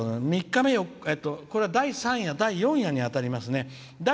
これは第３夜第４夜に当たりますね。